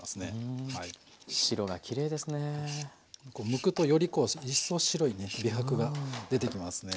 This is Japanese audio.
むくとよりこう一層白いね美白が出てきますね。